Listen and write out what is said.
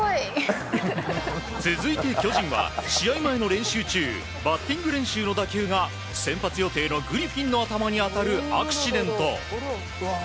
続いて巨人は試合前の練習中バッティング練習の打球が先発予定のグリフィンの頭に当たるアクシデント。